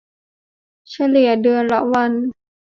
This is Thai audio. เฉลี่ยเดือนละวัน